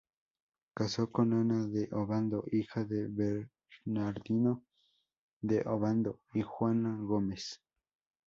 Casó con Ana de Obando, hija de Bernardino de Obando y Juana Gómez.